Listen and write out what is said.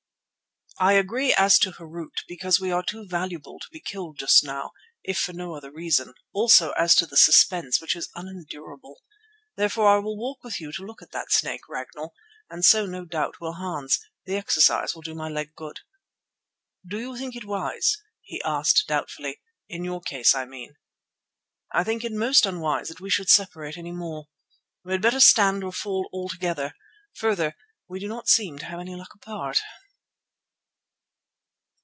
"I agree as to Harût, because we are too valuable to be killed just now, if for no other reason; also as to the suspense, which is unendurable. Therefore I will walk with you to look at that snake, Ragnall, and so no doubt will Hans. The exercise will do my leg good." "Do you think it wise?" he asked doubtfully; "in your case, I mean." "I think it most unwise that we should separate any more. We had better stand or fall altogether; further, we do not seem to have any luck apart."